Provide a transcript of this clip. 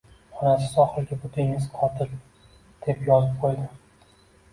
Onasi sohilga, "Bu dengiz qotil" - deb yozib qõydi